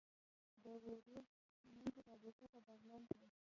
د غوري سمنټو فابریکه په بغلان کې ده.